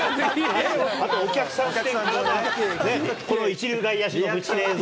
あと、お客さんの、この一流外野手のブチ切れ映像。